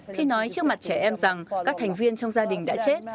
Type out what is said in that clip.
khi nói trước mặt trẻ em rằng các thành viên trong gia đình đã chết